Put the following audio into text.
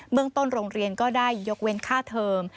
เมืองต้นโรงเรียนก็ได้ยกเว้นค่าเทอม